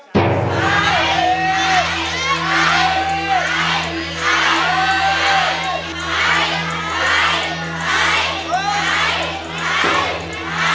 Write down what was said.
ใช้